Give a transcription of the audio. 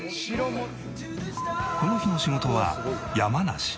この日の仕事は山梨。